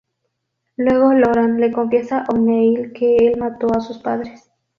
Luego Loran le confiesa a O'Neill que el mato a sus padres.